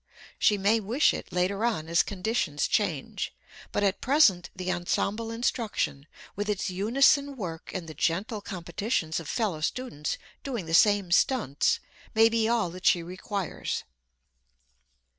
She may wish it later on as conditions change, but at present the ensemble instruction, with its unison work and the gentle competitions of fellow students doing the same stunts, may be all that she requires.